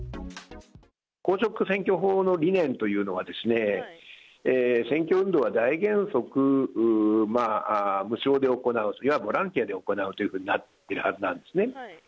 公職選挙法の理念というのは、選挙運動は大原則、無償で行う、ボランティアで行うということになっているはずなんですね。